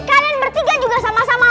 kalian bertiga juga sama sama